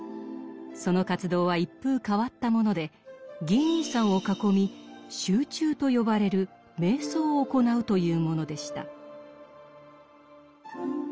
その活動は一風変わったものでギー兄さんを囲み「集中」と呼ばれる瞑想を行うというものでした。